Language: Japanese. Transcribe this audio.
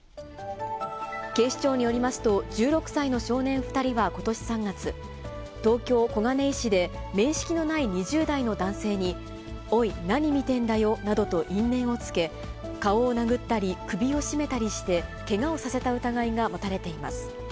警視庁によりますと、１６歳の少年２人はことし３月、東京・小金井市で、面識のない２０代の男性に、おい、何見てんだよなどと因縁をつけ、顔を殴ったり首を絞めたりして、けがをさせた疑いが持たれています。